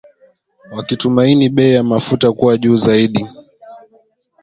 Wakitumaini bei ya mafuta kuwa juu zaidi.